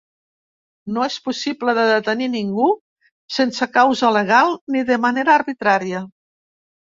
No és possible de detenir ningú sense causa legal ni de manera arbitrària.